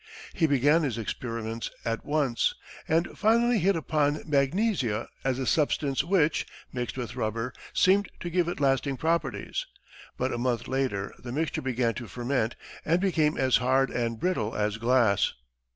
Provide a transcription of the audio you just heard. He began his experiments at once, and finally hit upon magnesia as a substance which, mixed with rubber, seemed to give it lasting properties; but a month later, the mixture began to ferment and became as hard and brittle as glass.